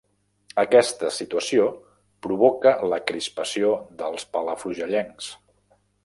Aquesta situació provoca la crispació dels palafrugellencs.